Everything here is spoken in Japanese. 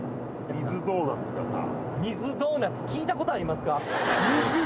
水ドーナツ聞いたことありますか？